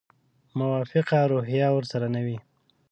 موافقه روحیه ورسره نه وي.